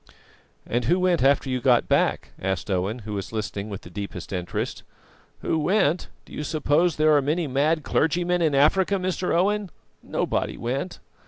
'" "And who went after you got back?" asked Owen, who was listening with the deepest interest. "Who went? Do you suppose that there are many mad clergymen in Africa, Mr. Owen? Nobody went."